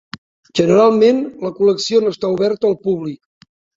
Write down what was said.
Generalment, la col·lecció no està oberta al públic.